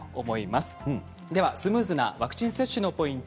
スムーズなワクチン接種のポイント